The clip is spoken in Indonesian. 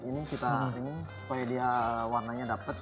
ini kita ini supaya dia warnanya dapat